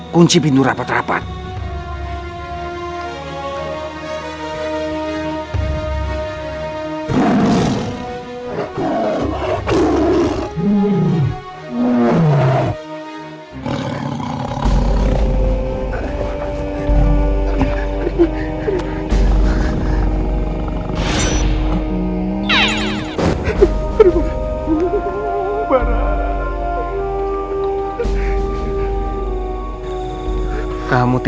kunci pintu rapat rapat